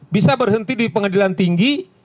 bisa berhenti di pengadilan tinggi